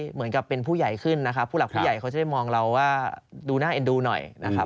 เหมือนกับเป็นผู้ใหญ่ขึ้นนะครับผู้หลักผู้ใหญ่เขาจะได้มองเราว่าดูน่าเอ็นดูหน่อยนะครับ